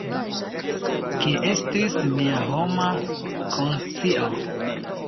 Kie estis mia homa konscio?